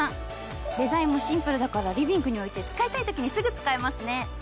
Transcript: デザインもシンプルだからリビングに置いて使いたいときにすぐ使えますね。